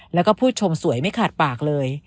แล้วก็ผู้ชมสวยไม่ขาดปากเลย